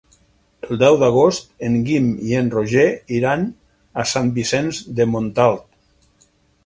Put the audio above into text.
El deu d'agost en Guim i en Roger iran a Sant Vicenç de Montalt.